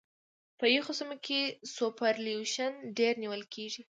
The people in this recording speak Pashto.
په یخو سیمو کې سوپرایلیویشن ډېر نیول کیږي